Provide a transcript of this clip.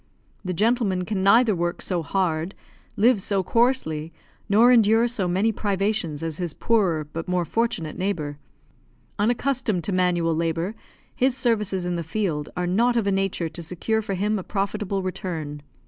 The gentleman can neither work so hard, live so coarsely, nor endure so many privations as his poorer but more fortunate neighbour. Unaccustomed to manual labour, his services in the field are not of a nature to secure for him a profitable return.